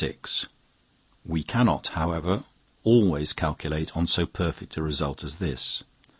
We cannot, however, always calculate on so perfect a result as this.